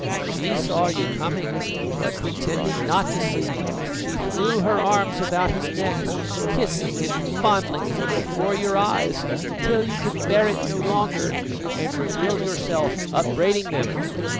She saw you coming, but pretending not to see, she threw her arms about his neck, kissing and fondling him before your eyes, till you could bear it no longer, and revealed yourself, upbraiding them.